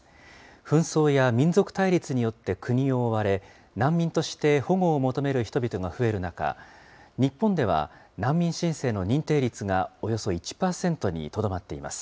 紛争や民族対立によって国を追われ、難民として保護を求める人々が増える中、日本では、難民申請の認定率がおよそ１％にとどまっています。